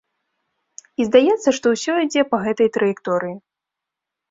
І здаецца, што ўсё ідзе па гэтай траекторыі.